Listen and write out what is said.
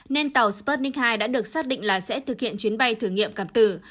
nên tàu sputnik hai đã được xác định là sẽ thực hiện chuyến bay thử nghiệm cảm tử